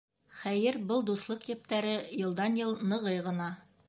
Хәйер, был дуҫлыҡ ептәре йылдан-йыл нығый ғына.